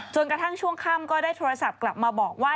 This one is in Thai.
กระทั่งช่วงค่ำก็ได้โทรศัพท์กลับมาบอกว่า